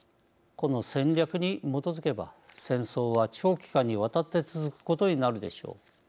この戦略に基づけば戦争は長期間にわたって続くことになるでしょう。